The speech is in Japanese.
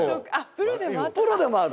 プロでもある。